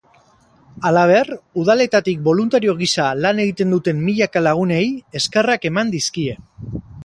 Halaber, udaletatik boluntario gisa lan egiten duten milaka lagunei eskerrak eman dizkie.